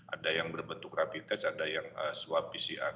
ada yang berbentuk rapid test ada yang swab pcr